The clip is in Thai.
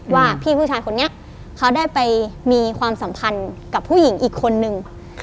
ว่าพี่ผู้ชายคนนี้เขาได้ไปมีความสัมพันธ์กับผู้หญิงอีกคนนึง